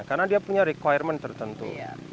karena dia punya requirement tertentu